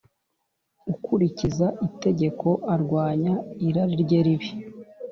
Ukurikiza itegeko, arwanya irari rye ribi,